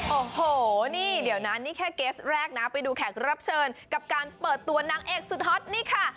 โอ้โหนี่เดี๋ยวนะนี่แค่เกสแรกนะไปดูแขกรับเชิญกับการเปิดตัวนางเอกสุดฮอตนี่ค่ะ